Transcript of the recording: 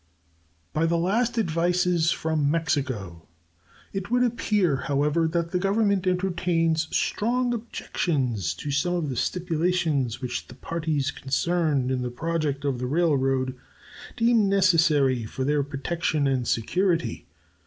By the last advices from Mexico it would appear, however, that that Government entertains strong objections to some of the stipulations which the parties concerned in the project of the railroad deem necessary for their protection and security.